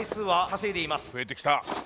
増えてきた。